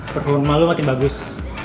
performa lo makin bagus